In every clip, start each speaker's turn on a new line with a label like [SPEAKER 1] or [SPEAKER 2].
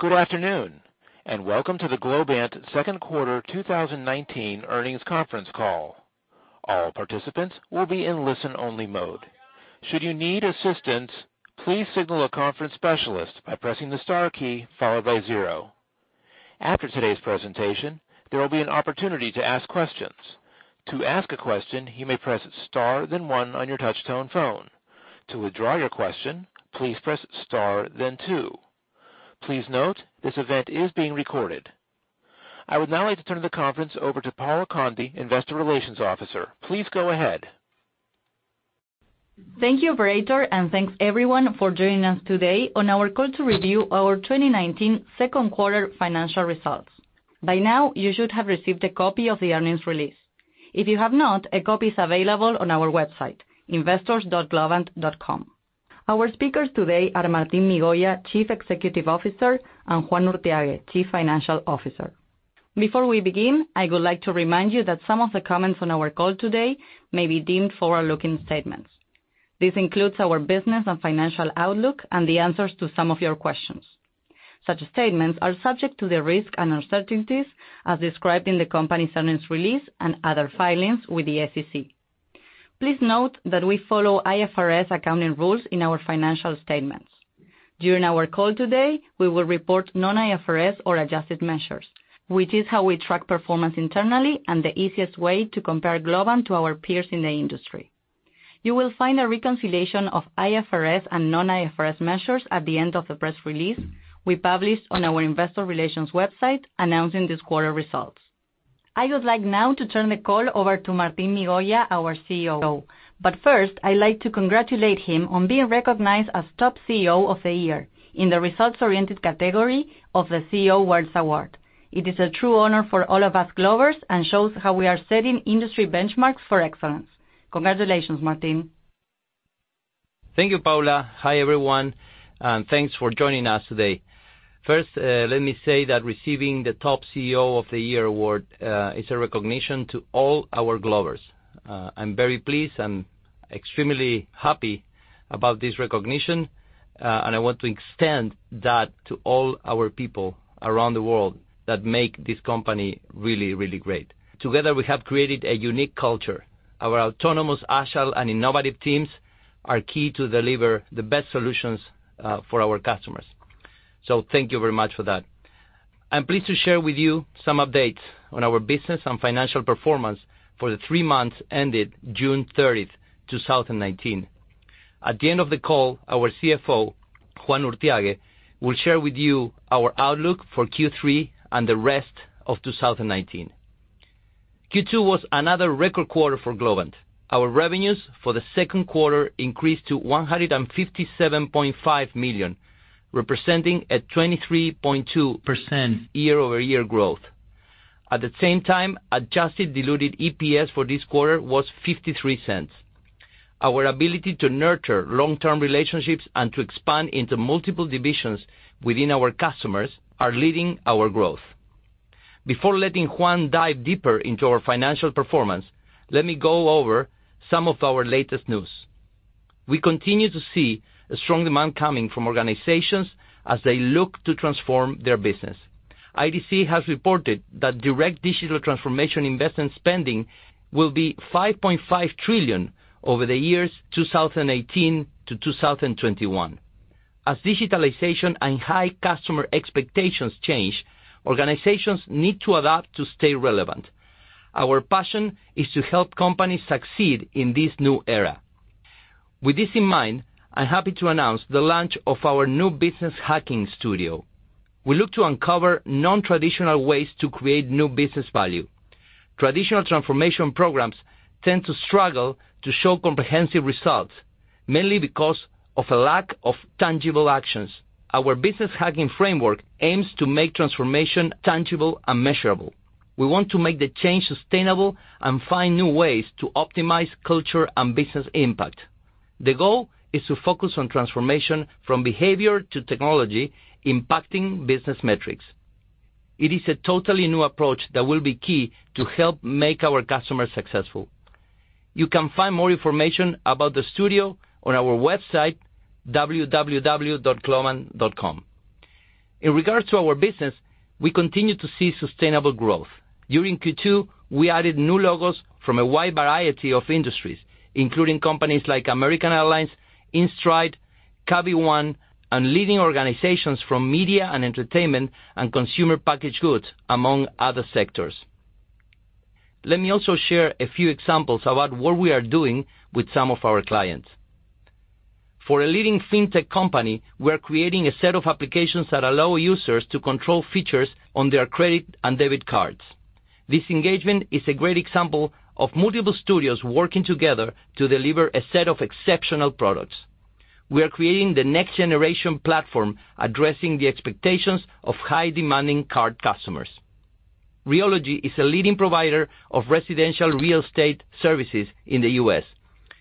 [SPEAKER 1] Good afternoon, and welcome to the Globant second quarter 2019 earnings conference call. All participants will be in listen-only mode. Should you need assistance, please signal a conference specialist by pressing the star key followed by zero. After today's presentation, there will be an opportunity to ask questions. To ask a question, you may press star then one on your touch tone phone. To withdraw your question, please press star then two. Please note, this event is being recorded. I would now like to turn the conference over to Paula Conde, investor relations officer. Please go ahead.
[SPEAKER 2] Thank you, operator. Thanks everyone for joining us today on our call to review our 2019 second quarter financial results. By now, you should have received a copy of the earnings release. If you have not, a copy is available on our website, investors.globant.com. Our speakers today are Martín Migoya, Chief Executive Officer, and Juan Urthiague, Chief Financial Officer. Before we begin, I would like to remind you that some of the comments on our call today may be deemed forward-looking statements. This includes our business and financial outlook and the answers to some of your questions. Such statements are subject to the risks and uncertainties as described in the company's earnings release and other filings with the SEC. Please note that we follow IFRS accounting rules in our financial statements. During our call today, we will report non-IFRS or adjusted measures, which is how we track performance internally and the easiest way to compare Globant to our peers in the industry. You will find a reconciliation of IFRS and non-IFRS measures at the end of the press release we published on our investor relations website announcing this quarter results. I would like now to turn the call over to Martín Migoya, our CEO. First, I'd like to congratulate him on being recognized as Top CEO of the Year in the results-oriented category of the CEO World Awards. It is a true honor for all of us Globers and shows how we are setting industry benchmarks for excellence. Congratulations, Martín.
[SPEAKER 3] Thank you, Paula. Hi, everyone, and thanks for joining us today. First, let me say that receiving the Top CEO of the Year award is a recognition to all our Globers. I'm very pleased and extremely happy about this recognition, and I want to extend that to all our people around the world that make this company really, really great. Together, we have created a unique culture. Our autonomous, agile, and innovative teams are key to deliver the best solutions for our customers. Thank you very much for that. I'm pleased to share with you some updates on our business and financial performance for the three months ended June 30th, 2019. At the end of the call, our CFO, Juan Urthiague, will share with you our outlook for Q3 and the rest of 2019. Q2 was another record quarter for Globant. Our revenues for the second quarter increased to $157.5 million, representing a 23.2% year-over-year growth. At the same time, adjusted diluted EPS for this quarter was $0.53. Our ability to nurture long-term relationships and to expand into multiple divisions within our customers are leading our growth. Before letting Juan dive deeper into our financial performance, let me go over some of our latest news. We continue to see a strong demand coming from organizations as they look to transform their business. IDC has reported that direct digital transformation investment spending will be $5.5 trillion over the years 2018 to 2021. As digitalization and high customer expectations change, organizations need to adapt to stay relevant. Our passion is to help companies succeed in this new era. With this in mind, I'm happy to announce the launch of our new Business Hacking Studio. We look to uncover non-traditional ways to create new business value. Traditional transformation programs tend to struggle to show comprehensive results, mainly because of a lack of tangible actions. Our business hacking framework aims to make transformation tangible and measurable. We want to make the change sustainable and find new ways to optimize culture and business impact. The goal is to focus on transformation from behavior to technology, impacting business metrics. It is a totally new approach that will be key to help make our customers successful. You can find more information about the Studio on our website, www.globant.com. In regards to our business, we continue to see sustainable growth. During Q2, we added new logos from a wide variety of industries, including companies like American Airlines, InStride, Cabify, and leading organizations from media and entertainment and consumer packaged goods, among other sectors. Let me also share a few examples about what we are doing with some of our clients. For a leading fintech company, we're creating a set of applications that allow users to control features on their credit and debit cards. This engagement is a great example of multiple studios working together to deliver a set of exceptional products. We are creating the next-generation platform addressing the expectations of high-demanding card customers. Realogy is a leading provider of residential real estate services in the U.S.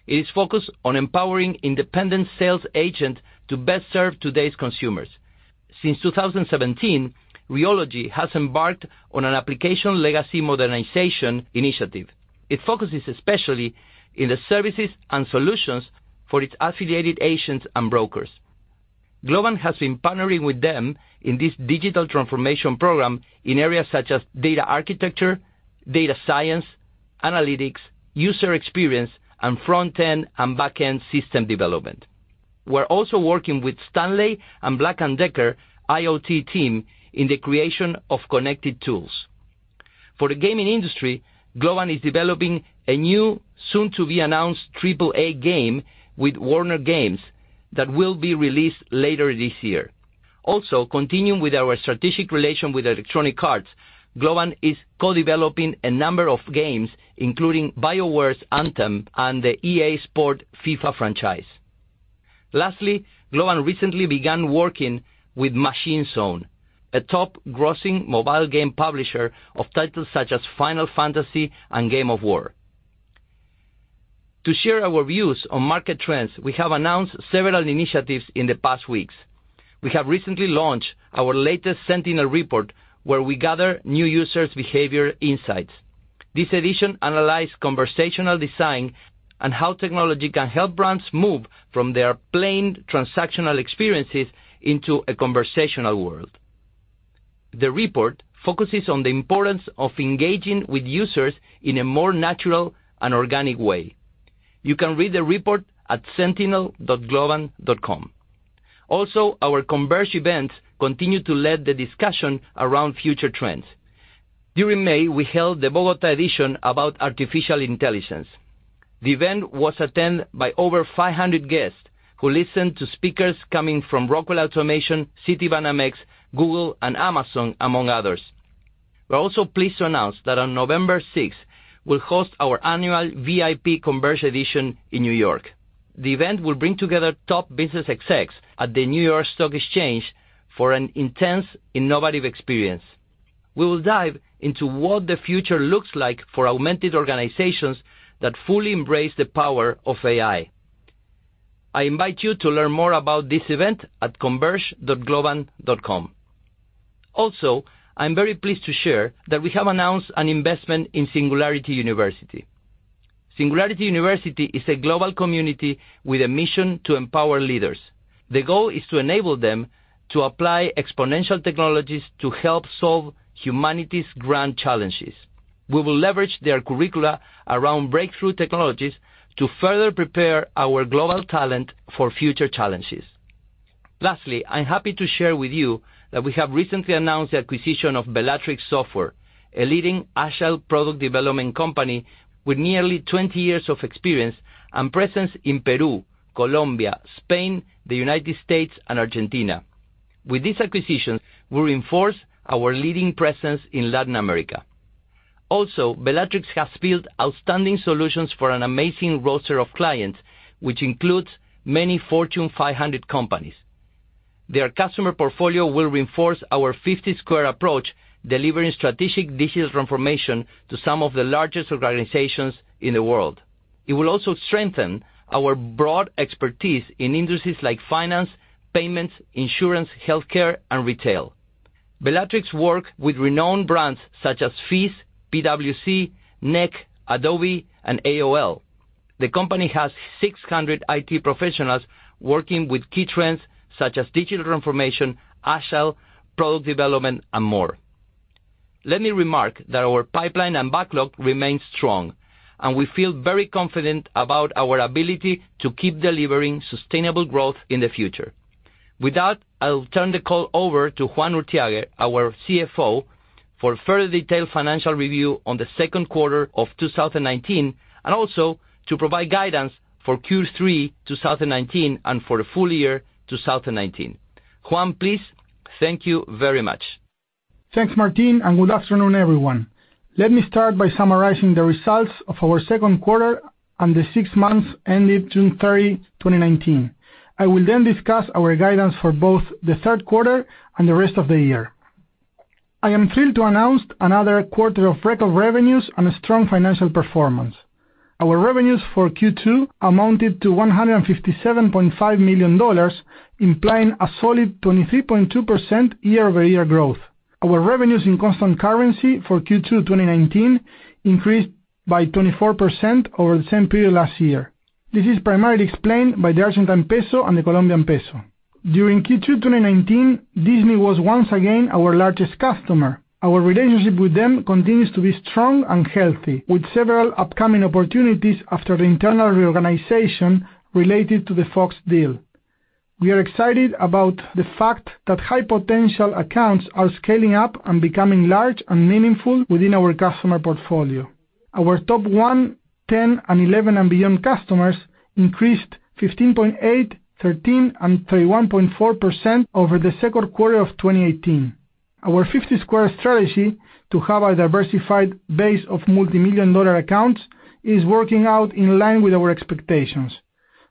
[SPEAKER 3] It is focused on empowering independent sales agents to best serve today's consumers. Since 2017, Realogy has embarked on an application legacy modernization initiative. It focuses especially in the services and solutions for its affiliated agents and brokers. Globant has been partnering with them in this digital transformation program in areas such as data architecture, data science, analytics, user experience, and front-end and back-end system development. We're also working with Stanley Black & Decker IoT team in the creation of connected tools. For the gaming industry, Globant is developing a new, soon-to-be-announced AAA game with Warner Bros. Games that will be released later this year. Also, continuing with our strategic relation with Electronic Arts, Globant is co-developing a number of games, including BioWare's "Anthem" and the EA Sports "FIFA" franchise. Lastly, Globant recently began working with Machine Zone, a top grossing mobile game publisher of titles such as "Final Fantasy" and "Game of War." To share our views on market trends, we have announced several initiatives in the past weeks. We have recently launched our latest Sentinel Report, where we gather new users behavior insights. This edition analyzed conversational design and how technology can help brands move from their plain transactional experiences into a conversational world. The report focuses on the importance of engaging with users in a more natural and organic way. You can read the report at sentinel.globant.com. Also, our Converge events continue to lead the discussion around future trends. During May, we held the Bogotá edition about artificial intelligence. The event was attended by over 500 guests, who listened to speakers coming from Rockwell Automation, Citibanamex, Google, and Amazon, among others. We're also pleased to announce that on November 6th, we'll host our annual VIP Converge edition in N.Y. The event will bring together top business execs at the New York Stock Exchange for an intense, innovative experience. We will dive into what the future looks like for augmented organizations that fully embrace the power of AI. I invite you to learn more about this event at converge.globant.com. I'm very pleased to share that we have announced an investment in Singularity University. Singularity University is a global community with a mission to empower leaders. The goal is to enable them to apply exponential technologies to help solve humanity's grand challenges. We will leverage their curricula around breakthrough technologies to further prepare our global talent for future challenges. I'm happy to share with you that we have recently announced the acquisition of Belatrix Software, a leading agile product development company with nearly 20 years of experience and presence in Peru, Colombia, Spain, the U.S., and Argentina. With this acquisition, we reinforce our leading presence in Latin America. Belatrix has built outstanding solutions for an amazing roster of clients, which includes many Fortune 500 companies. Their customer portfolio will reinforce our 50 Squared approach, delivering strategic digital transformation to some of the largest organizations in the world. It will also strengthen our broad expertise in industries like finance, payments, insurance, healthcare, and retail. Belatrix work with renowned brands such as FIS, PwC, NEC, Adobe, and AOL. The company has 600 IT professionals working with key trends such as digital transformation, agile product development, and more. Let me remark that our pipeline and backlog remains strong, and we feel very confident about our ability to keep delivering sustainable growth in the future. With that, I'll turn the call over to Juan Urthiague, our CFO, for a further detailed financial review on the second quarter of 2019, and also to provide guidance for Q3 2019 and for the full year 2019. Juan, please. Thank you very much.
[SPEAKER 4] Thanks, Martín, good afternoon, everyone. Let me start by summarizing the results of our second quarter and the six months ended June 30, 2019. I will then discuss our guidance for both the third quarter and the rest of the year. I am thrilled to announce another quarter of record revenues and a strong financial performance. Our revenues for Q2 amounted to $157.5 million, implying a solid 23.2% year-over-year growth. Our revenues in constant currency for Q2 2019 increased by 24% over the same period last year. This is primarily explained by the Argentine peso and the Colombian peso. During Q2 2019, Disney was once again our largest customer. Our relationship with them continues to be strong and healthy, with several upcoming opportunities after the internal reorganization related to the Fox deal. We are excited about the fact that high-potential accounts are scaling up and becoming large and meaningful within our customer portfolio. Our top one, 10, and 11 and beyond customers increased 15.8%, 13%, and 31.4% over the second quarter of 2018. Our 50 Squared strategy to have a diversified base of multimillion-dollar accounts is working out in line with our expectations.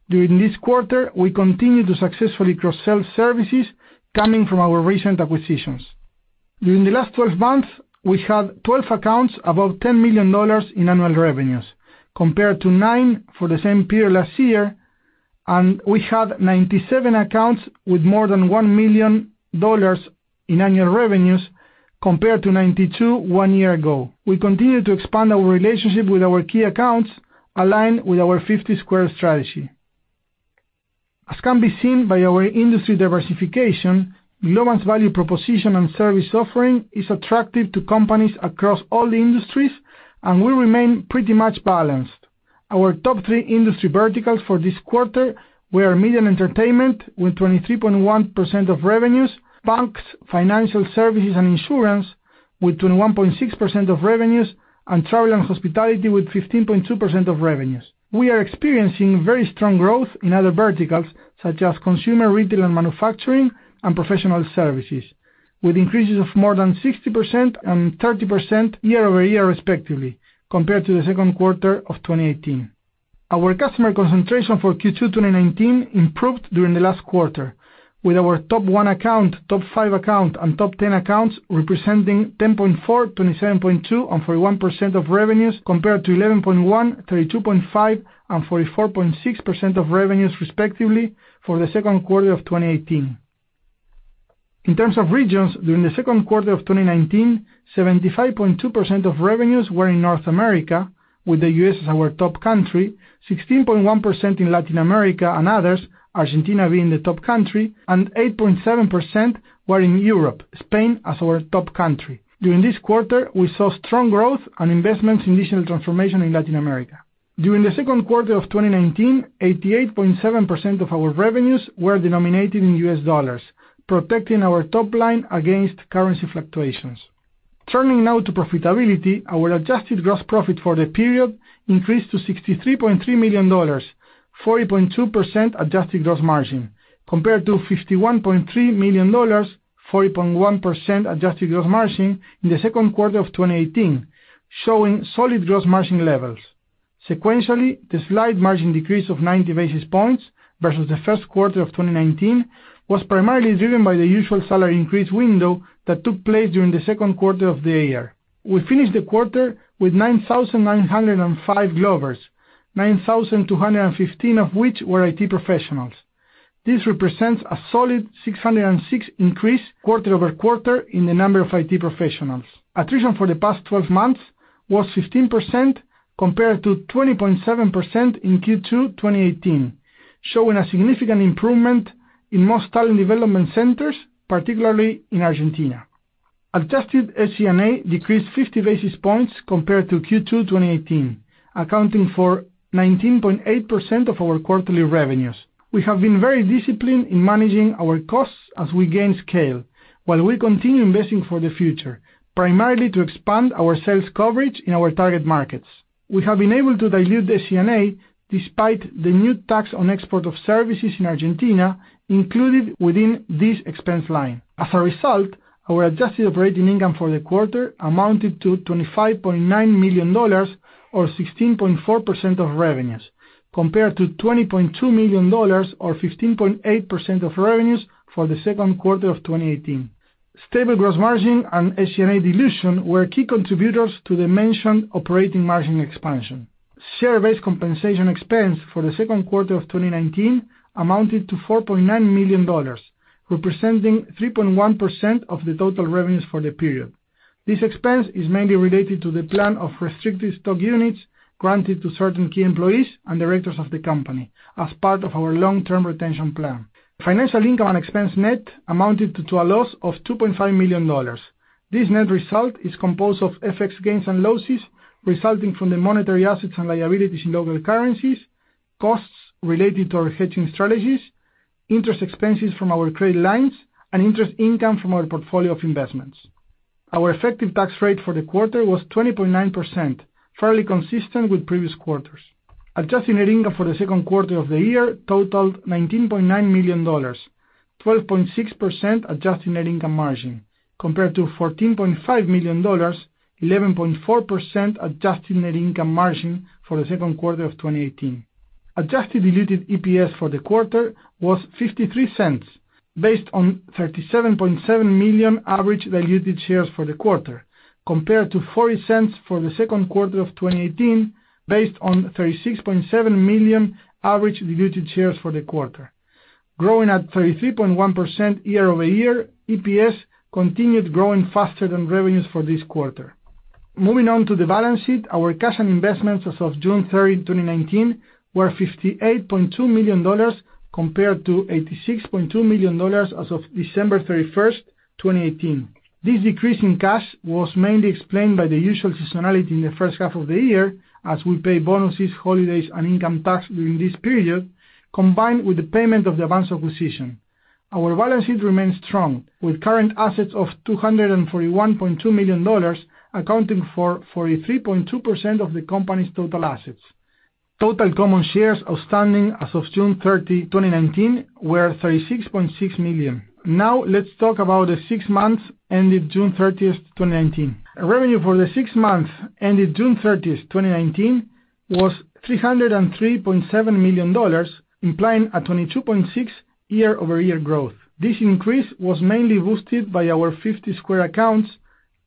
[SPEAKER 4] During this quarter, we continued to successfully cross-sell services coming from our recent acquisitions. During the last 12 months, we had 12 accounts above $10 million in annual revenues, compared to nine for the same period last year, and we had 97 accounts with more than $1 million in annual revenues compared to 92 one year ago. We continue to expand our relationship with our key accounts, aligned with our 50 Squared strategy. As can be seen by our industry diversification, Globant's value proposition and service offering is attractive to companies across all the industries, and we remain pretty much balanced. Our top three industry verticals for this quarter were media and entertainment, with 23.1% of revenues, banks, financial services and insurance with 21.6% of revenues, and travel and hospitality with 15.2% of revenues. We are experiencing very strong growth in other verticals such as consumer retail and manufacturing, and professional services, with increases of more than 60% and 30% year-over-year respectively, compared to the second quarter of 2018. Our customer concentration for Q2 2019 improved during the last quarter, with our top 1 account, top 5 account, and top 10 accounts representing 10.4%, 27.2%, and 41% of revenues compared to 11.1%, 32.5%, and 44.6% of revenues, respectively, for the second quarter of 2018. In terms of regions, during the second quarter of 2019, 75.2% of revenues were in North America, with the U.S. as our top country, 16.1% in Latin America and others, Argentina being the top country, and 8.7% were in Europe, Spain as our top country. During this quarter, we saw strong growth and investments in digital transformation in Latin America. During the second quarter of 2019, 88.7% of our revenues were denominated in U.S. dollars, protecting our top line against currency fluctuations. Turning now to profitability, our adjusted gross profit for the period increased to $63.3 million, 40.2% adjusted gross margin, compared to $51.3 million, 40.1% adjusted gross margin in the second quarter of 2018, showing solid gross margin levels. Sequentially, the slight margin decrease of 90 basis points versus the first quarter of 2019 was primarily driven by the usual salary increase window that took place during the second quarter of the year. We finished the quarter with 9,905 Globers, 9,215 of which were IT professionals. This represents a solid 606 increase quarter-over-quarter in the number of IT professionals. Attrition for the past 12 months was 15%, compared to 20.7% in Q2 2018, showing a significant improvement in most talent development centers, particularly in Argentina. Adjusted SG&A decreased 50 basis points compared to Q2 2018, accounting for 19.8% of our quarterly revenues. We have been very disciplined in managing our costs as we gain scale, while we continue investing for the future, primarily to expand our sales coverage in our target markets. We have been able to dilute the SG&A despite the new tax on export of services in Argentina included within this expense line. As a result, our adjusted operating income for the quarter amounted to $25.9 million, or 16.4% of revenues, compared to $20.2 million or 15.8% of revenues for the second quarter of 2018. Stable gross margin and SG&A dilution were key contributors to the mentioned operating margin expansion. Share-based compensation expense for the second quarter of 2019 amounted to $4.9 million, representing 3.1% of the total revenues for the period. This expense is mainly related to the plan of restricted stock units granted to certain key employees and directors of the company as part of our long-term retention plan. Financial income and expense net amounted to a loss of $2.5 million. This net result is composed of FX gains and losses resulting from the monetary assets and liabilities in local currencies, costs related to our hedging strategies, interest expenses from our credit lines, and interest income from our portfolio of investments. Our effective tax rate for the quarter was 20.9%, fairly consistent with previous quarters. Adjusted net income for the second quarter of the year totaled $19.9 million, 12.6% adjusted net income margin, compared to $14.5 million, 11.4% adjusted net income margin for the second quarter of 2018. Adjusted diluted EPS for the quarter was $0.53 based on 37.7 million average diluted shares for the quarter, compared to $0.40 for the second quarter of 2018, based on 36.7 million average diluted shares for the quarter. Growing at 33.1% year-over-year, EPS continued growing faster than revenues for this quarter. Moving on to the balance sheet, our cash and investments as of June 3rd, 2019 were $58.2 million, compared to $86.2 million as of December 31st, 2018. This decrease in cash was mainly explained by the usual seasonality in the first half of the year as we pay bonuses, holidays, and income tax during this period, combined with the payment of the advance acquisition. Our balance sheet remains strong, with current assets of $241.2 million accounting for 43.2% of the company's total assets. Total common shares outstanding as of June 30th, 2019 were 36.6 million. Let's talk about the six months ended June 30th, 2019. Revenue for the six months ended June 30th, 2019 was $303.7 million, implying a 22.6% year-over-year growth. This increase was mainly boosted by our 50 Squared accounts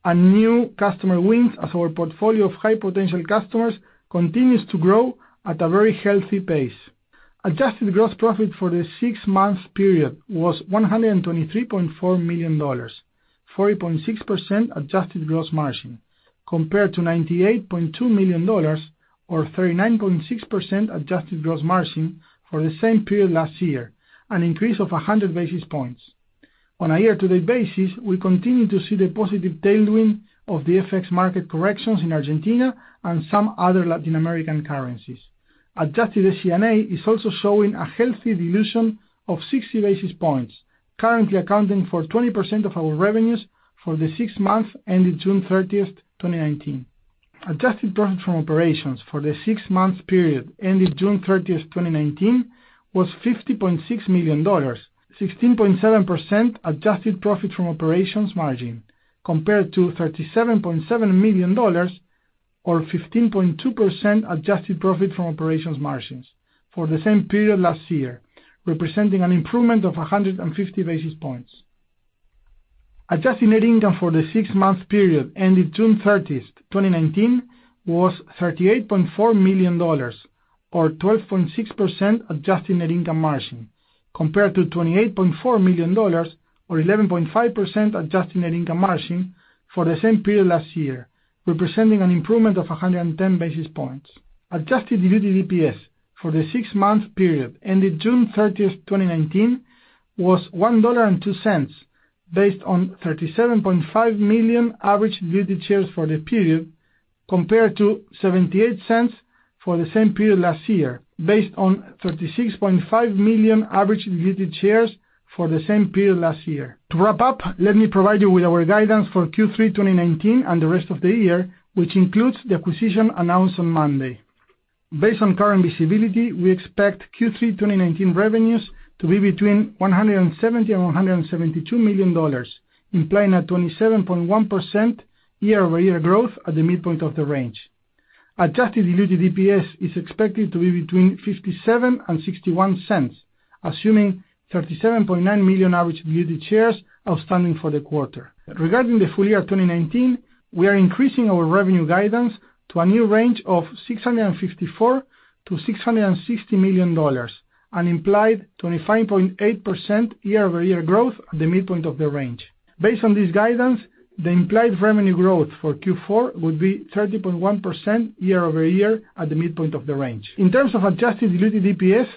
[SPEAKER 4] and new customer wins as our portfolio of high potential customers continues to grow at a very healthy pace. Adjusted gross profit for the six-month period was $123.4 million, 40.6% adjusted gross margin, compared to $98.2 million or 39.6% adjusted gross margin for the same period last year, an increase of 100 basis points. On a year-to-date basis, we continue to see the positive tailwind of the FX market corrections in Argentina and some other Latin American currencies. Adjusted SG&A is also showing a healthy dilution of 60 basis points, currently accounting for 20% of our revenues for the six months ended June 30th, 2019. Adjusted profit from operations for the six-month period ended June 30th, 2019, was $50.6 million, 16.7% adjusted profit from operations margin, compared to $37.7 million or 15.2% adjusted profit from operations margins for the same period last year, representing an improvement of 150 basis points. Adjusted net income for the six-month period ended June 30th, 2019, was $38.4 million or 12.6% adjusted net income margin compared to $28.4 million or 11.5% adjusted net income margin for the same period last year, representing an improvement of 110 basis points. Adjusted diluted EPS for the six-month period ended June 30th, 2019, was $1.02, based on $37.5 million average diluted shares for the period, compared to $0.78 for the same period last year, based on 36.5 million average diluted shares for the same period last year. To wrap up, let me provide you with our guidance for Q3 2019 and the rest of the year, which includes the acquisition announced on Monday. Based on current visibility, we expect Q3 2019 revenues to be between $170 million and $172 million, implying a 27.1% year-over-year growth at the midpoint of the range. Adjusted diluted EPS is expected to be between $0.57 and $0.61, assuming 37.9 million average diluted shares outstanding for the quarter. Regarding the full year 2019, we are increasing our revenue guidance to a new range of $654 million-$660 million, an implied 25.8% year-over-year growth at the midpoint of the range. Based on this guidance, the implied revenue growth for Q4 would be 30.1% year-over-year at the midpoint of the range. In terms of adjusted diluted EPS,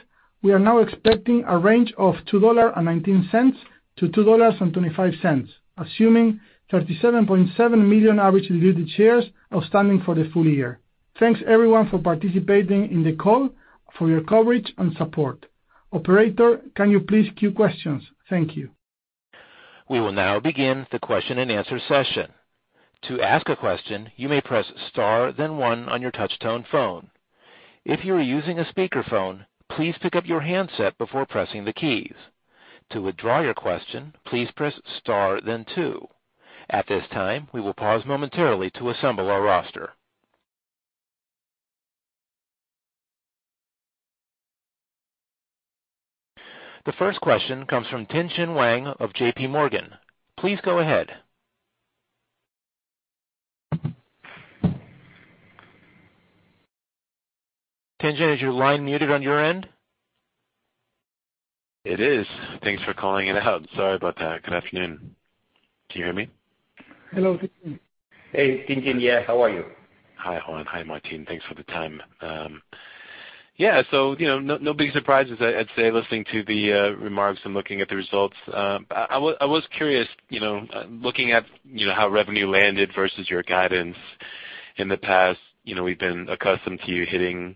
[SPEAKER 4] we are now expecting a range of $2.19-$2.25, assuming 37.7 million average diluted shares outstanding for the full year. Thanks everyone for participating in the call, for your coverage and support. Operator, can you please queue questions? Thank you.
[SPEAKER 1] We will now begin the question-and-answer session. To ask a question, you may press star then one on your touch tone phone. If you are using a speakerphone, please pick up your handset before pressing the keys. To withdraw your question, please press star then two. At this time, we will pause momentarily to assemble our roster. The first question comes from Tien-Tsin Huang of J.P. Morgan. Please go ahead.
[SPEAKER 3] Tien-Tsin, is your line muted on your end?
[SPEAKER 5] It is. Thanks for calling it out. Sorry about that. Good afternoon. Can you hear me?
[SPEAKER 4] Hello, Tien-Tsin.
[SPEAKER 3] Hey, Tien-Tsin. Yeah, how are you?
[SPEAKER 5] Hi, Juan. Hi, Martín. Thanks for the time. Yeah. No big surprises, I'd say, listening to the remarks and looking at the results. I was curious, looking at how revenue landed versus your guidance in the past, we've been accustomed to you hitting the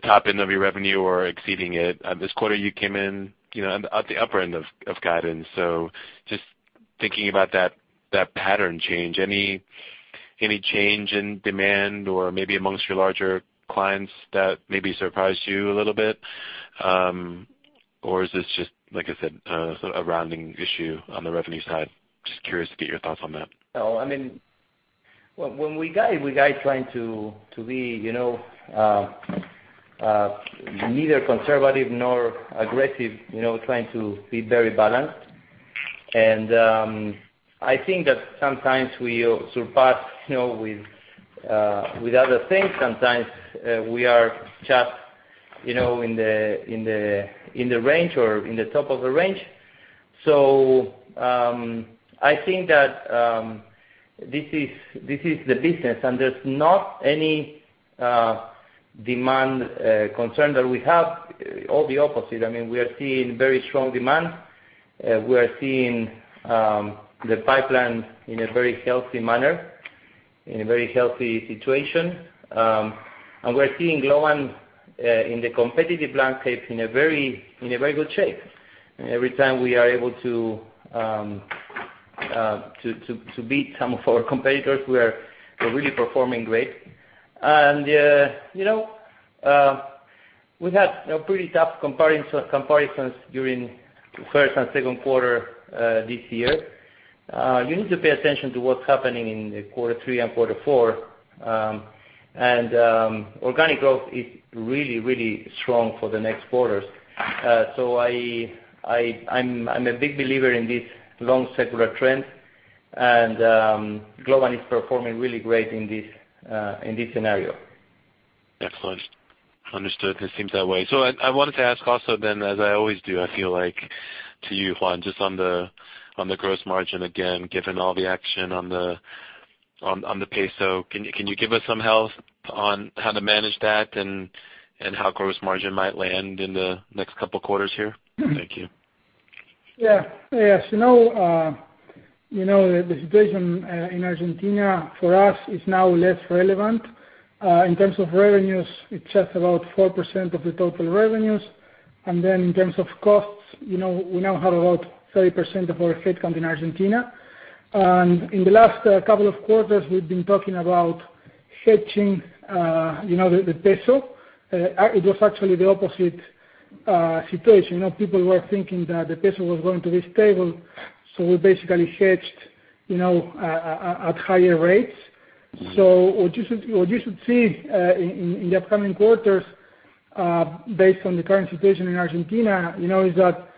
[SPEAKER 5] top end of your revenue or exceeding it. This quarter, you came in at the upper end of guidance. Just thinking about that pattern change, any change in demand or maybe amongst your larger clients that maybe surprised you a little bit? Or is this just, like I said, sort of a rounding issue on the revenue side? Just curious to get your thoughts on that.
[SPEAKER 3] When we guide, we guide trying to be neither conservative nor aggressive, trying to be very balanced. I think that sometimes we surpass with other things, sometimes we are just in the range or in the top of the range. I think that this is the business, and there's not any demand concern that we have. All the opposite. We are seeing very strong demand. We are seeing the pipeline in a very healthy manner, in a very healthy situation. We're seeing Globant in the competitive landscape in a very good shape. Every time we are able to beat some of our competitors, we are really performing great. We had pretty tough comparisons during first and second quarter this year. You need to pay attention to what's happening in quarter three and quarter four. Organic growth is really, really strong for the next quarter. I'm a big believer in this long secular trend, and Globant is performing really great in this scenario.
[SPEAKER 5] Excellent. Understood. It seems that way. I wanted to ask also then, as I always do, I feel like to you, Juan, just on the gross margin again, given all the action on the peso, can you give us some help on how to manage that and how gross margin might land in the next couple of quarters here? Thank you.
[SPEAKER 4] Yeah. As you know, the situation in Argentina for us is now less relevant. In terms of revenues, it's just about 4% of the total revenues. In terms of costs, we now have about 30% of our headcount in Argentina. In the last couple of quarters, we've been talking about hedging the peso. It was actually the opposite situation, people were thinking that the peso was going to be stable, so we basically hedged at higher rates. What you should see in the upcoming quarters, based on the current situation in Argentina, is that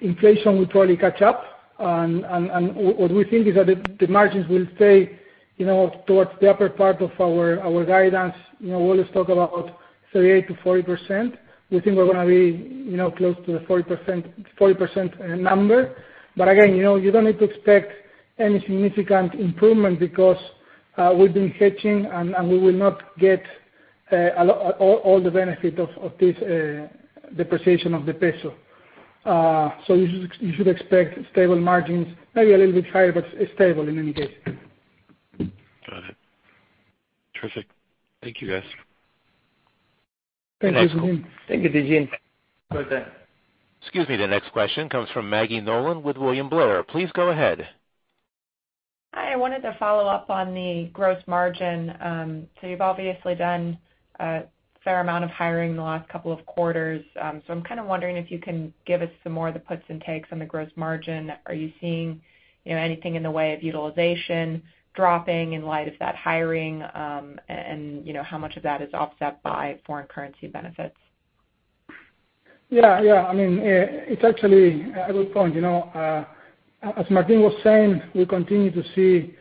[SPEAKER 4] inflation will probably catch up. What we think is that the margins will stay towards the upper part of our guidance. We always talk about 38%-40%. We think we're going to be close to the 40% number. Again, you don't need to expect any significant improvement because we've been hedging, and we will not get all the benefit of this depreciation of the peso. You should expect stable margins, maybe a little bit higher, but stable in any case.
[SPEAKER 5] Got it. Terrific. Thank you, guys.
[SPEAKER 4] Thank you, TJ.
[SPEAKER 3] Thank you, TJ.
[SPEAKER 1] Excuse me. The next question comes from Maggie Nolan with William Blair. Please go ahead.
[SPEAKER 6] Hi. I wanted to follow up on the gross margin. You've obviously done a fair amount of hiring in the last couple of quarters. I'm kind of wondering if you can give us some more of the puts and takes on the gross margin. Are you seeing anything in the way of utilization dropping in light of that hiring? How much of that is offset by foreign currency benefits?
[SPEAKER 4] Yeah. It's actually a good point. As Martín was saying, we continue to see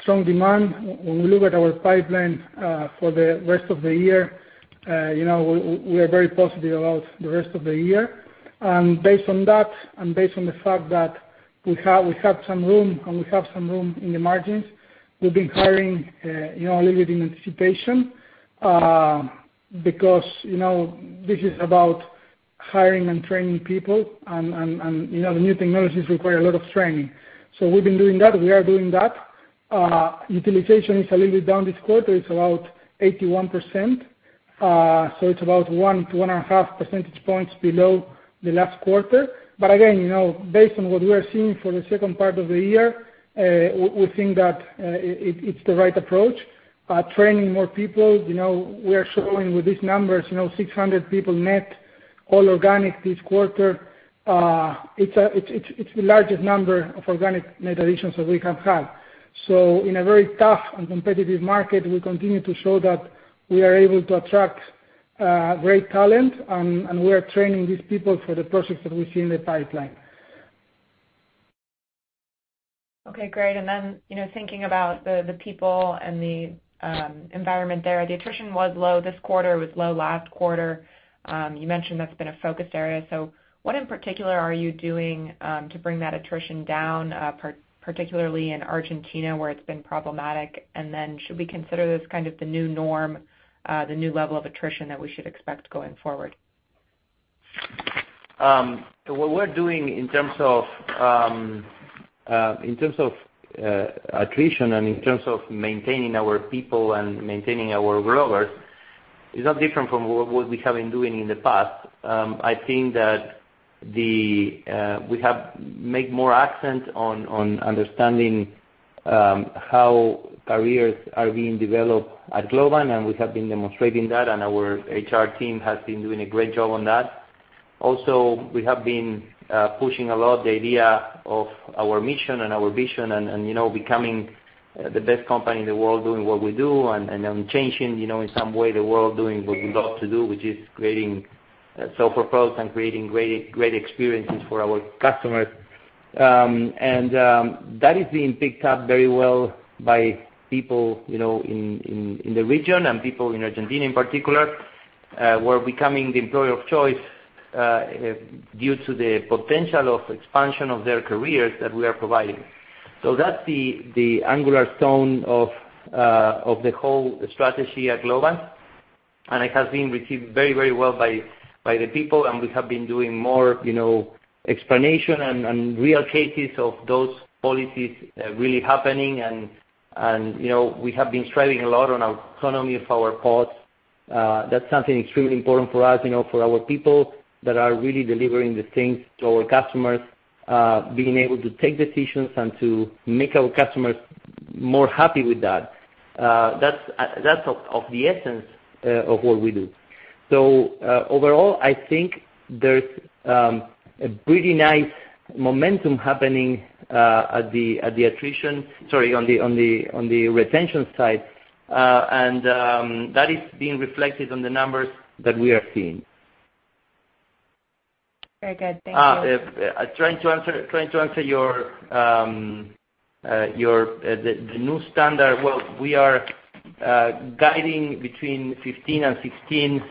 [SPEAKER 4] strong demand. When we look at our pipeline for the rest of the year, we are very positive about the rest of the year. Based on that, based on the fact that we have some room in the margins, we've been hiring a little bit in anticipation because this is about hiring and training people, and the new technologies require a lot of training. We've been doing that. We are doing that. Utilization is a little bit down this quarter. It's about 81%, so it's about 1 to 1.5 percentage points below the last quarter. Again, based on what we are seeing for the second part of the year, we think that it's the right approach. Training more people, we are showing with these numbers, 600 people net, all organic this quarter. It's the largest number of organic net additions that we have had. In a very tough and competitive market, we continue to show that we are able to attract great talent, and we are training these people for the projects that we see in the pipeline.
[SPEAKER 6] Okay, great. Thinking about the people and the environment there, the attrition was low this quarter. It was low last quarter. You mentioned that's been a focus area. What in particular are you doing to bring that attrition down, particularly in Argentina where it's been problematic? Should we consider this kind of the new norm, the new level of attrition that we should expect going forward?
[SPEAKER 3] What we're doing in terms of attrition and in terms of maintaining our people and maintaining our growers is not different from what we have been doing in the past. I think that we have made more accent on understanding how careers are being developed at Globant, and we have been demonstrating that, and our HR team has been doing a great job on that. Also, we have been pushing a lot the idea of our mission and our vision and becoming the best company in the world doing what we do and then changing, in some way, the world, doing what we love to do, which is creating self-purpose and creating great experiences for our customers. That is being picked up very well by people in the region and people in Argentina in particular. We're becoming the employer of choice due to the potential of expansion of their careers that we are providing. That's the cornerstone of the whole strategy at Globant, it has been received very well by the people, and we have been doing more explanation and real cases of those policies really happening. We have been striving a lot on autonomy of our pods. That's something extremely important for us, for our people that are really delivering the things to our customers, being able to take decisions and to make our customers more happy with that. That's of the essence of what we do. Overall, I think there's a pretty nice momentum happening on the retention side.
[SPEAKER 4] That is being reflected on the numbers that we are seeing.
[SPEAKER 6] Very good. Thank you.
[SPEAKER 4] Trying to answer the new standard, well, we are guiding between 15 and 16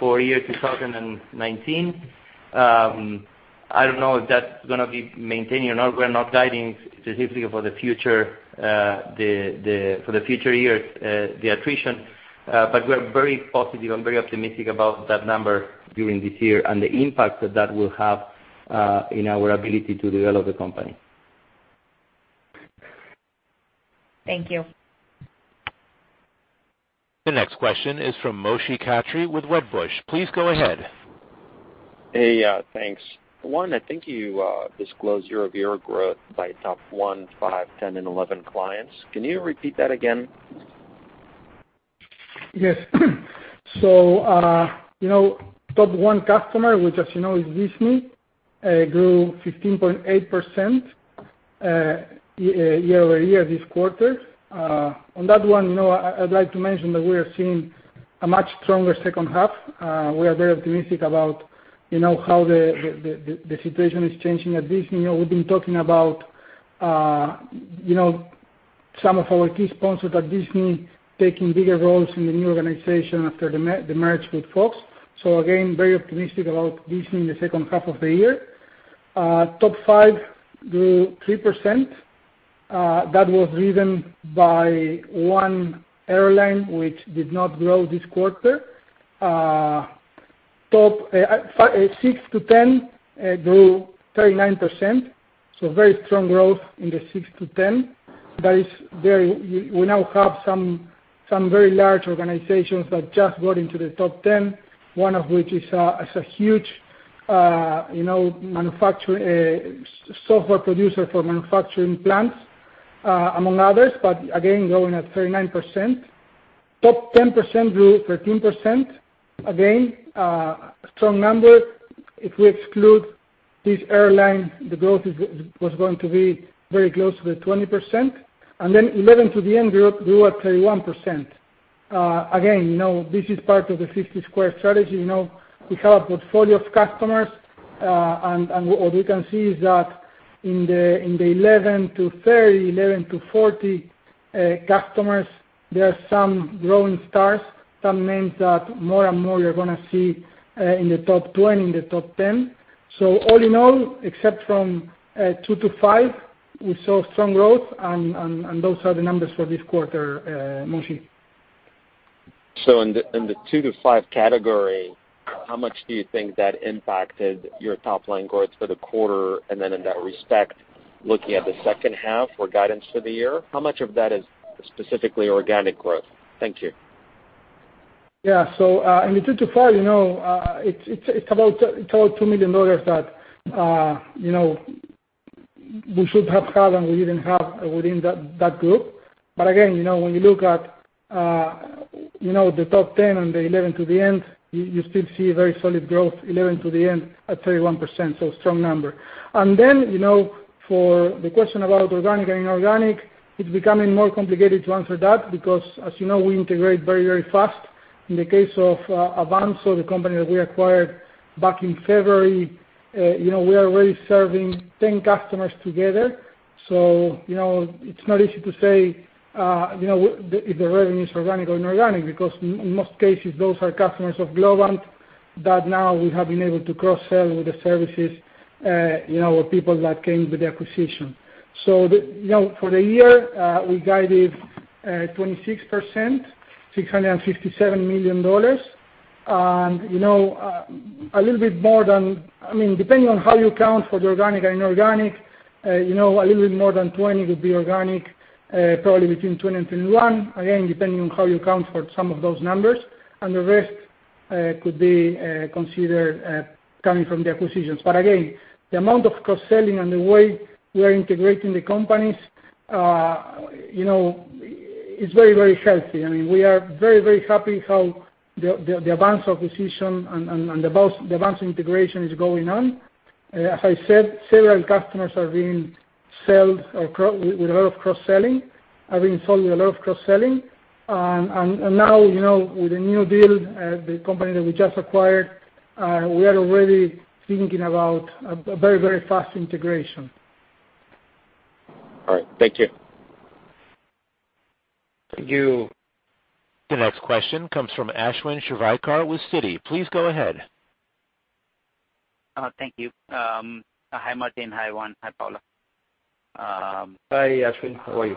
[SPEAKER 4] for year 2019. I don't know if that's going to be maintained or not. We're not guiding specifically for the future years, the attrition. We are very positive and very optimistic about that number during this year and the impact that that will have in our ability to develop the company.
[SPEAKER 6] Thank you.
[SPEAKER 1] The next question is from Moshe Katri with Wedbush. Please go ahead.
[SPEAKER 7] Hey, thanks. Juan, I think you disclosed year-over-year growth by top 1, 5, 10 and 11 clients. Can you repeat that again?
[SPEAKER 4] Yes. Top 1 customer, which as you know is Disney, grew 15.8% year-over-year this quarter. On that one, I'd like to mention that we are seeing a much stronger second half. We are very optimistic about how the situation is changing at Disney. We've been talking about some of our key sponsors at Disney taking bigger roles in the new organization after the merge with Fox. Again, very optimistic about Disney in the second half of the year. Top 5 grew 3%. That was driven by one airline which did not grow this quarter. 6 to 10 grew 39%, very strong growth in the 6 to 10. We now have some very large organizations that just got into the top 10, one of which is a huge software producer for manufacturing plants among others, but again, growing at 39%. Top 10% grew 13%. Again, strong number. If we exclude this airline, the growth was going to be very close to the 20%. 11 to the end grew at 31%. Again, this is part of the 50 Squared strategy. We have a portfolio of customers, and what we can see is that in the 11 to 30, 11 to 40 customers, there are some growing stars, some names that more and more you're going to see in the top 20, in the top 10. All in all, except from 2 to 5, we saw strong growth and those are the numbers for this quarter, Moshe.
[SPEAKER 7] In the 2 to 5 category, how much do you think that impacted your top-line growth for the quarter? In that respect, looking at the second half or guidance for the year, how much of that is specifically organic growth? Thank you.
[SPEAKER 4] In the 2 to 5, it's about $2 million that we should have had and we didn't have within that group. Again, when you look at the top 10 and the 11 to the end, you still see a very solid growth, 11 to the end at 31%. Strong number. For the question about organic and inorganic, it's becoming more complicated to answer that because, as you know, we integrate very, very fast. In the case of Avanxo, the company that we acquired back in February, we are already serving 10 customers together. It's not easy to say if the revenue is organic or inorganic because in most cases, those are customers of Globant that now we have been able to cross-sell with the services with people that came with the acquisition. For the year, we guided 26%, $657 million. Depending on how you count for the organic and inorganic, a little bit more than 20 would be organic, probably between 20 and 21, again, depending on how you count for some of those numbers. The rest could be considered coming from the acquisitions. Again, the amount of cross-selling and the way we are integrating the companies is very, very healthy. We are very, very happy how the Avanxo acquisition and the Avanxo integration is going on. As I said, several customers are being sold with a lot of cross-selling. Now, with the new deal, the company that we just acquired, we are already thinking about a very, very fast integration.
[SPEAKER 7] All right. Thank you.
[SPEAKER 1] Thank you. The next question comes from Ashwin Shirvaikar with Citi. Please go ahead.
[SPEAKER 8] Thank you. Hi, Martín. Hi, Juan. Hi, Paula.
[SPEAKER 4] Hi, Ashwin. How are you?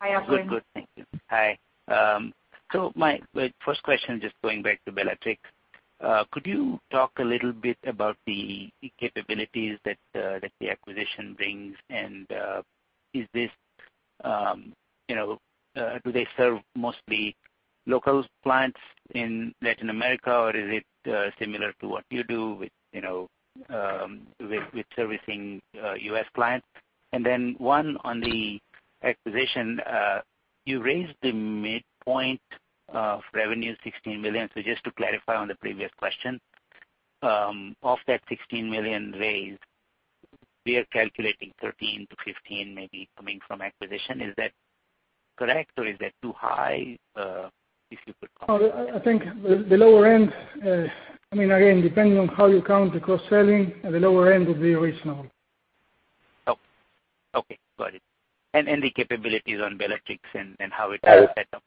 [SPEAKER 2] Hi, Ashwin.
[SPEAKER 8] Good. Thank you. Hi. My first question, just going back to Belatrix. Could you talk a little bit about the capabilities that the acquisition brings, and do they serve mostly local clients in Latin America, or is it similar to what you do with servicing U.S. clients? One on the acquisition. You raised the midpoint of revenue, $16 million. Just to clarify on the previous question, of that $16 million raised, we are calculating $13 million-$15 million maybe coming from acquisition. Is that correct, or is that too high? If you could comment.
[SPEAKER 4] No, I think the lower end, again, depending on how you count the cross-selling, the lower end would be reasonable.
[SPEAKER 8] Okay. Got it. The capabilities on Belatrix and how it all adds up.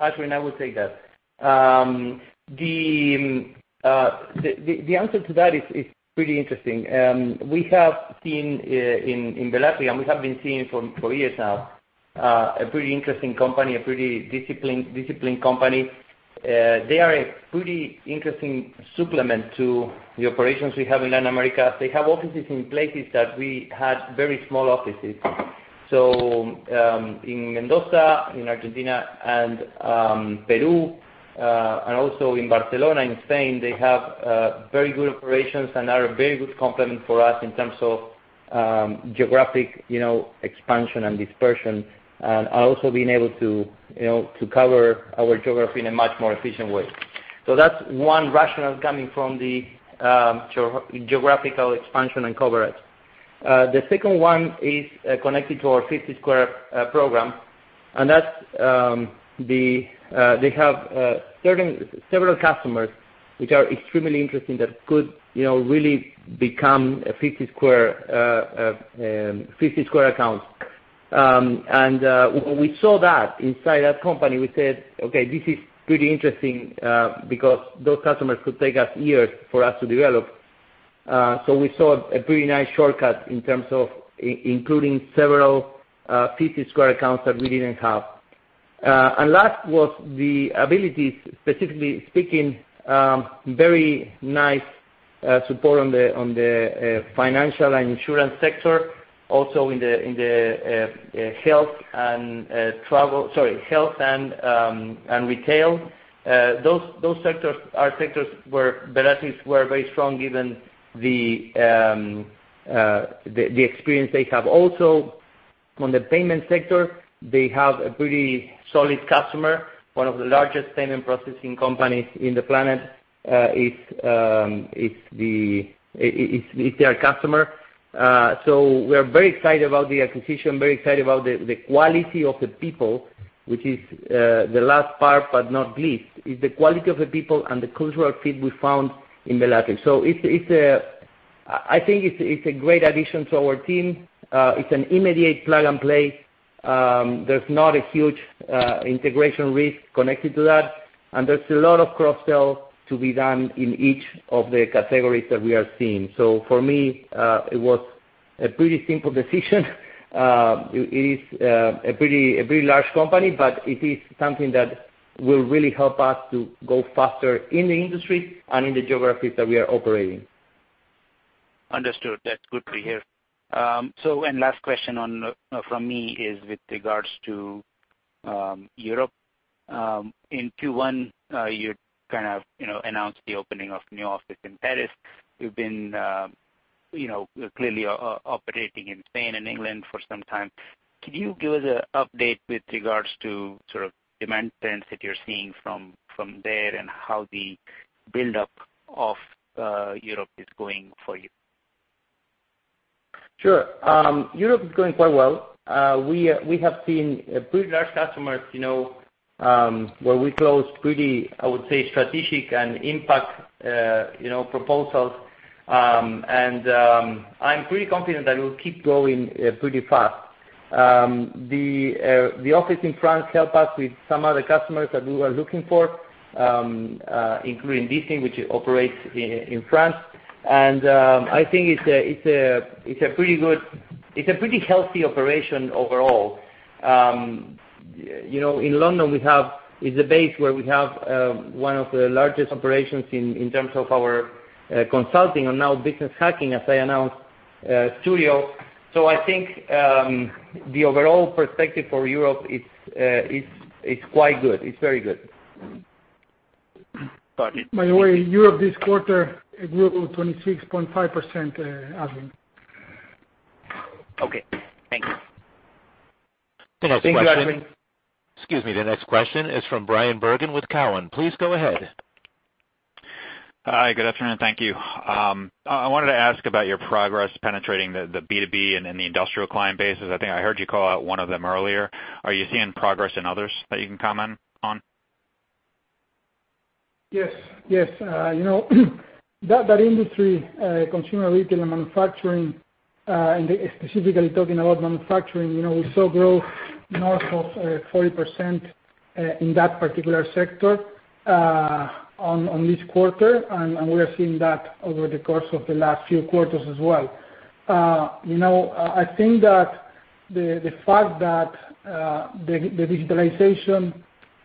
[SPEAKER 3] Ashwin, I will take that. The answer to that is pretty interesting. We have seen in Belatrix, and we have been seeing for years now, a pretty interesting company, a pretty disciplined company. They are a pretty interesting supplement to the operations we have in Latin America. They have offices in places that we had very small offices. In Mendoza, in Argentina and Peru, and also in Barcelona, in Spain, they have very good operations and are a very good complement for us in terms of geographic expansion and dispersion. Also being able to cover our geography in a much more efficient way. That's one rationale coming from the geographical expansion and coverage. The second one is connected to our 50 Squared program, and that's they have several customers which are extremely interesting that could really become 50 Squared accounts. When we saw that inside that company, we said, "Okay, this is pretty interesting, because those customers could take us years for us to develop." We saw a pretty nice shortcut in terms of including several 50 Squared accounts that we didn't have. Last was the ability, specifically speaking, very nice support on the financial and insurance sector, also in the health and retail. Those sectors are sectors where Belatrix were very strong, given the experience they have. Also, on the payment sector, they have a pretty solid customer, one of the largest payment processing companies in the planet is their customer. We are very excited about the acquisition, very excited about the quality of the people, which is the last part but not least, is the quality of the people and the cultural fit we found in Belatrix. I think it's a great addition to our team. It's an immediate plug-and-play. There's not a huge integration risk connected to that. There's a lot of cross-sell to be done in each of the categories that we are seeing. For me, it was a pretty simple decision. It is a pretty large company, but it is something that will really help us to go faster in the industry and in the geographies that we are operating.
[SPEAKER 8] Understood. That's good to hear. Last question from me is with regards to Europe? In Q1, you kind of announced the opening of new office in Paris. You've been clearly operating in Spain and England for some time. Can you give us an update with regards to demand trends that you're seeing from there and how the buildup of Europe is going for you?
[SPEAKER 3] Sure. Europe is going quite well. We have seen pretty large customers where we closed pretty, I would say, strategic and impact proposals. I'm pretty confident that it will keep growing pretty fast. The office in France help us with some of the customers that we were looking for, including VC, which operates in France. I think it's a pretty healthy operation overall. In London, it's a base where we have one of the largest operations in terms of our consulting and now Business Hacking Studio. I think the overall perspective for Europe is quite good. It's very good.
[SPEAKER 8] Got it.
[SPEAKER 4] By the way, Europe this quarter, it grew 26.5%, Ashwin.
[SPEAKER 8] Okay, thanks.
[SPEAKER 3] Thanks, Ashwin.
[SPEAKER 1] Excuse me, the next question is from Bryan Bergin with Cowen. Please go ahead.
[SPEAKER 9] Hi, good afternoon. Thank you. I wanted to ask about your progress penetrating the B2B and in the industrial client bases. I think I heard you call out one of them earlier. Are you seeing progress in others that you can comment on?
[SPEAKER 4] Yes. That industry, consumer, retail, and manufacturing, and specifically talking about manufacturing, we saw growth north of 40% in that particular sector on this quarter, and we're seeing that over the course of the last few quarters as well. I think that the fact that the digitalization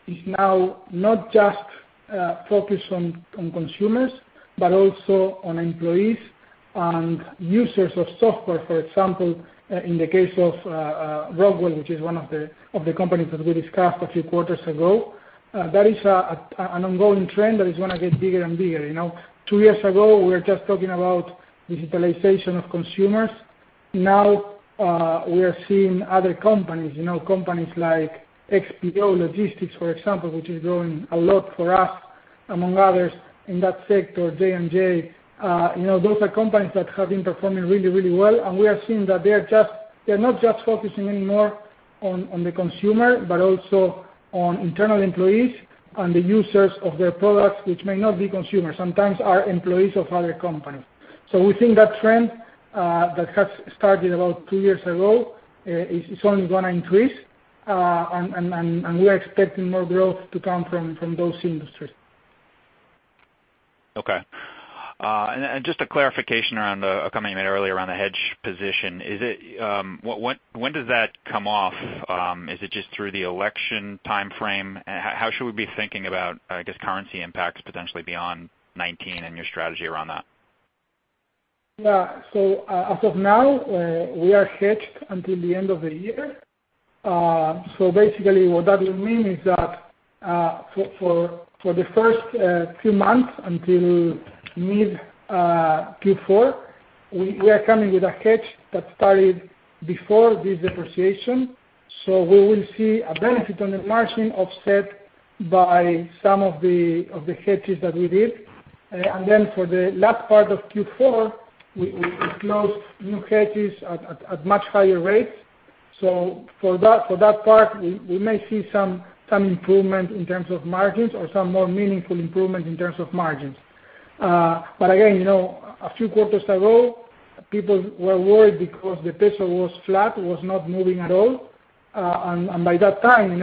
[SPEAKER 4] is now not just focused on consumers, but also on employees and users of software, for example, in the case of Rockwell, which is one of the companies that we discussed a few quarters ago. That is an ongoing trend that is going to get bigger and bigger. Two years ago, we were just talking about digitalization of consumers. Now, we are seeing other companies like XPO Logistics, for example, which is growing a lot for us, among others in that sector, J&J. Those are companies that have been performing really well. We are seeing that they're not just focusing anymore on the consumer, but also on internal employees and the users of their products, which may not be consumers, sometimes are employees of other companies. We think that trend that has started about two years ago, is only going to increase. We are expecting more growth to come from those industries.
[SPEAKER 9] Okay. Just a clarification around a comment you made earlier around the hedge position. When does that come off? Is it just through the election timeframe? How should we be thinking about, I guess, currency impacts potentially beyond 2019 and your strategy around that?
[SPEAKER 4] Yeah. As of now, we are hedged until the end of the year. Basically what that will mean is that, for the first two months until mid Q4, we are coming with a hedge that started before this depreciation. We will see a benefit on the margin offset by some of the hedges that we did. Then for the last part of Q4, we closed new hedges at much higher rates. For that part, we may see some improvement in terms of margins or some more meaningful improvement in terms of margins. Again, a few quarters ago, people were worried because the peso was flat, was not moving at all. By that time,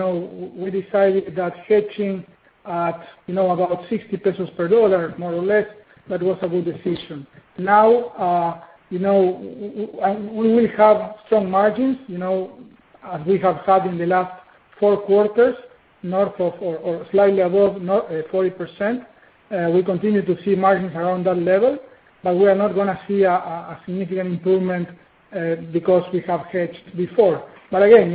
[SPEAKER 4] we decided that hedging at about 60 pesos per dollar, more or less, that was a good decision. We will have some margins, as we have had in the last four quarters, north of or slightly above 40%. We continue to see margins around that level. We are not going to see a significant improvement, because we have hedged before. Again,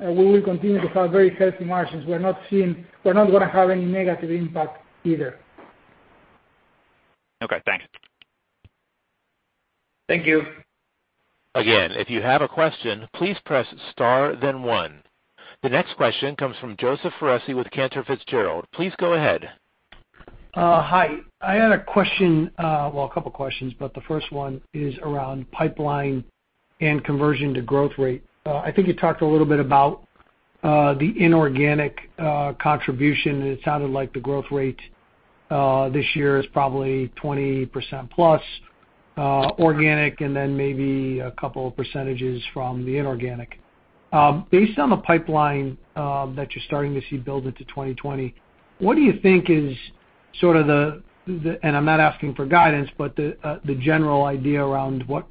[SPEAKER 4] we will continue to have very healthy margins. We're not going to have any negative impact either.
[SPEAKER 9] Okay, thanks.
[SPEAKER 3] Thank you.
[SPEAKER 1] If you have a question, please press star then one. The next question comes from Joseph Foresi with Cantor Fitzgerald. Please go ahead.
[SPEAKER 10] Hi. I had a question, well, a couple questions. The first one is around pipeline and conversion to growth rate. I think you talked a little bit about the inorganic contribution, and it sounded like the growth rate this year is probably 20% plus, organic, and then maybe a couple of percentages from the inorganic. Based on the pipeline that you're starting to see build into 2020, what do you think is sort of the, and I'm not asking for guidance, the general idea around what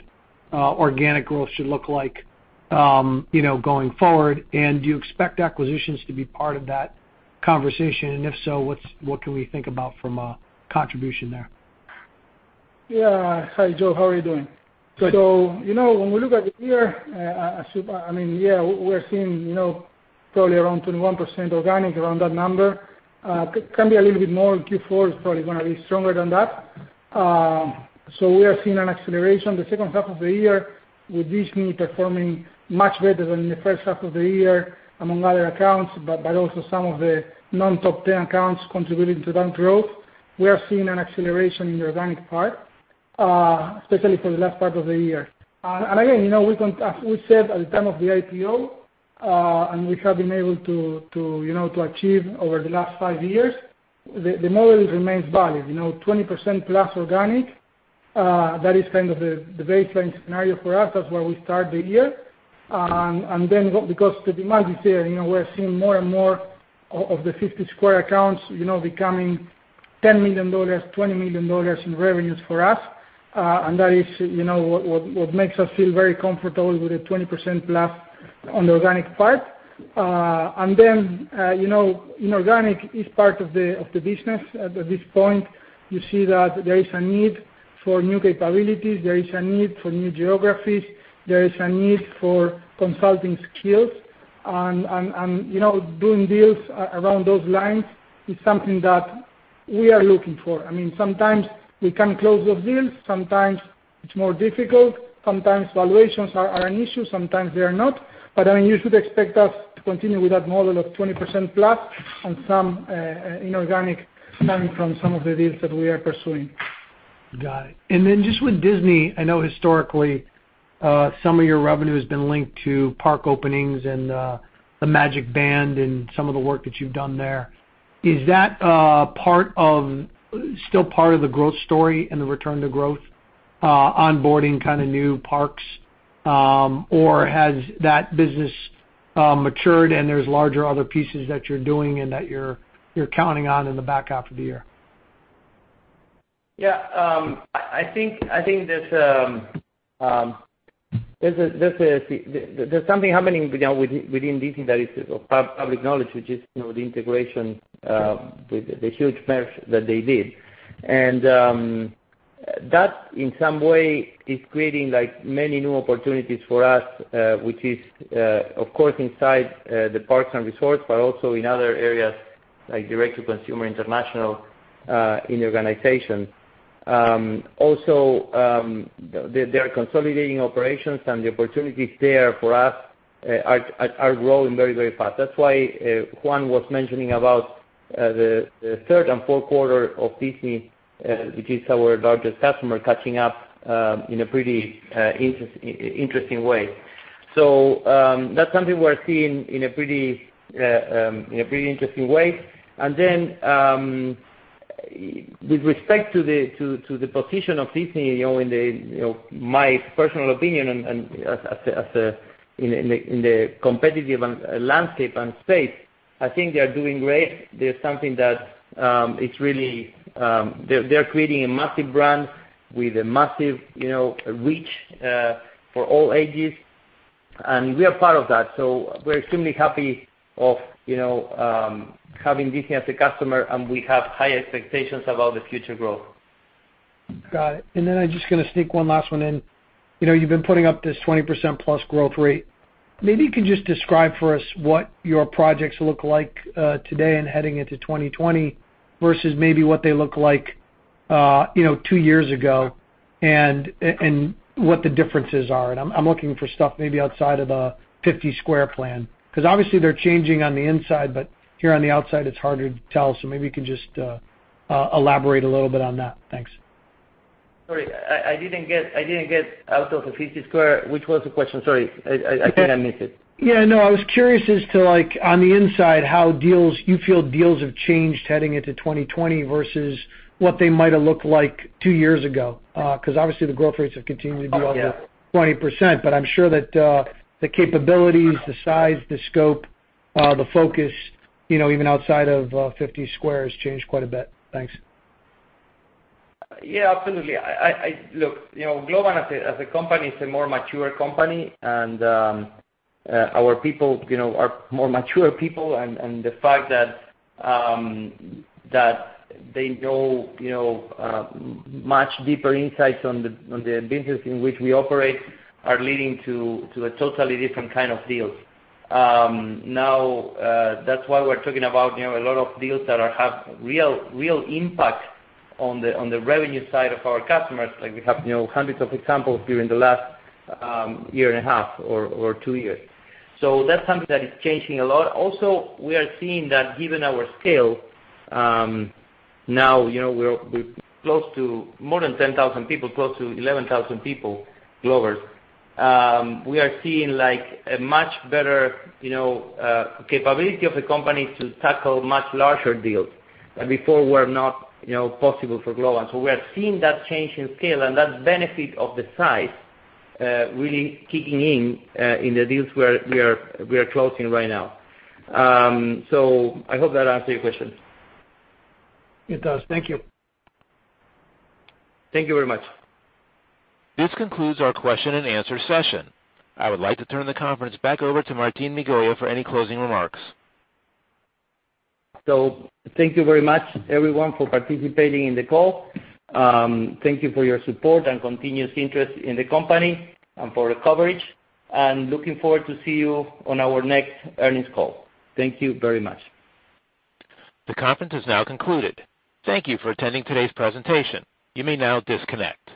[SPEAKER 10] organic growth should look like going forward. Do you expect acquisitions to be part of that conversation, and if so, what can we think about from a contribution there?
[SPEAKER 4] Yeah. Hi, Joe. How are you doing?
[SPEAKER 10] Good.
[SPEAKER 4] When we look at the year, I mean, yeah, we're seeing totally around 21% organic around that number. Can be a little bit more. Q4 is probably going to be stronger than that. We are seeing an acceleration the second half of the year with Disney performing much better than the first half of the year, among other accounts, but also some of the non-top 10 accounts contributing to that growth. We are seeing an acceleration in the organic part, especially for the last part of the year. Again, we said at the time of the IPO, and we have been able to achieve over the last five years, the model remains valid. 20% plus organic, that is kind of the baseline scenario for us. That's where we start the year. Because the demand is there, we're seeing more and more of the 50 Squared accounts becoming $10 million, $20 million in revenues for us. That is what makes us feel very comfortable with the 20%+ on the organic part. Inorganic is part of the business at this point. You see that there is a need for new capabilities. There is a need for new geographies. There is a need for consulting skills. Doing deals around those lines is something that we are looking for. Sometimes we can close those deals, sometimes it's more difficult. Sometimes valuations are an issue, sometimes they are not. You should expect us to continue with that model of 20%+ on some inorganic coming from some of the deals that we are pursuing.
[SPEAKER 10] Got it. Just with Disney, I know historically, some of your revenue has been linked to park openings and the MagicBand and some of the work that you've done there. Is that still part of the growth story and the return to growth, onboarding kind of new parks? Has that business matured and there's larger other pieces that you're doing and that you're counting on in the back half of the year?
[SPEAKER 3] I think there's something happening within Disney that is of public knowledge, which is the integration with the huge merger that they did. That, in some way, is creating many new opportunities for us, which is of course inside the parks and resorts, but also in other areas like Direct-to-Consumer & International in the organization. Also, they are consolidating operations. The opportunities there for us are growing very, very fast. That's why Juan was mentioning about the third and fourth quarter of Disney, which is our largest customer, catching up in a pretty interesting way. That's something we're seeing in a pretty interesting way. With respect to the position of Disney, my personal opinion in the competitive landscape and space, I think they are doing great. They are creating a massive brand with a massive reach for all ages, and we are part of that. We're extremely happy of having Disney as a customer, and we have high expectations about the future growth.
[SPEAKER 10] Got it. Then I'm just gonna sneak one last one in. You've been putting up this 20% plus growth rate. Maybe you can just describe for us what your projects look like today and heading into 2020 versus maybe what they looked like two years ago and what the differences are. I'm looking for stuff maybe outside of the 50 Squared plan, because obviously they're changing on the inside, but here on the outside, it's harder to tell. Maybe you can just elaborate a little bit on that. Thanks.
[SPEAKER 3] Sorry, Out of the 50 Squared, which was the question? Sorry, I think I missed it.
[SPEAKER 10] Yeah, no, I was curious as to, on the inside, how you feel deals have changed heading into 2020 versus what they might have looked like two years ago. Obviously the growth rates have continued to be over 20%. I'm sure that the capabilities, the size, the scope, the focus, even outside of 50 Squared, has changed quite a bit. Thanks.
[SPEAKER 3] Yeah, absolutely. Look, Globant as a company is a more mature company, and our people are more mature people. The fact that they know much deeper insights on the business in which we operate are leading to a totally different kind of deals. Now, that's why we're talking about a lot of deals that have real impact on the revenue side of our customers. We have hundreds of examples during the last year and a half or two years. That's something that is changing a lot. Also, we are seeing that given our scale, now we're close to more than 10,000 people, close to 11,000 people, Globers. We are seeing a much better capability of the company to tackle much larger deals that before were not possible for Globant. We are seeing that change in scale and that benefit of the size really kicking in in the deals we are closing right now. I hope that answers your question.
[SPEAKER 10] It does. Thank you.
[SPEAKER 3] Thank you very much.
[SPEAKER 1] This concludes our question and answer session. I would like to turn the conference back over to Martín Migoya for any closing remarks.
[SPEAKER 3] Thank you very much, everyone, for participating in the call. Thank you for your support and continuous interest in the company and for the coverage. Looking forward to see you on our next earnings call. Thank you very much.
[SPEAKER 1] The conference has now concluded. Thank you for attending today's presentation. You may now disconnect.